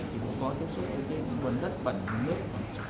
thì cũng có tiếp xúc với cái nguồn đất bẩn nước